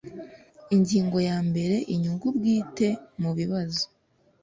Ingingo ya mbere Inyungu bwite mu bibazo